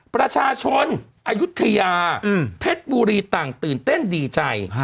ประชาชนอายุทยาเพชรบุรีต่างตื่นเต้นดีใจ